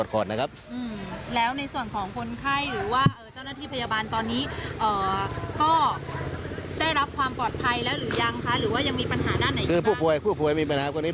หรือว่ายังมีปัญหาด้านไหนอยู่บ้างคือผู้ป่วยผู้ป่วยมีปัญหาตอนนี้